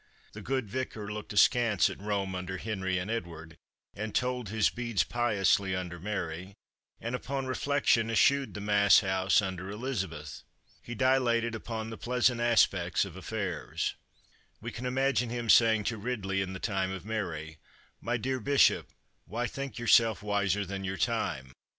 The good vicar looked askance at Rome under Henry and Edward, and told his beads piously under Mary, and upon reflection eschewed the mass house under Elizabeth. He dilated upon the pleasant aspects of affairs. We can imagine him saying to Ridley in the time of Mary, "My dear bishop, why think yourself wiser than your time?"